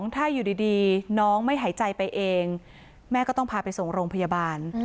ถ้าอยู่ดีน้องไม่หายใจไปเองแม่ก็ต้องพาไปส่งโรงพยาบาล